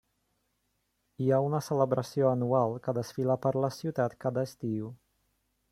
Hi ha una celebració anual que desfila per la ciutat cada estiu.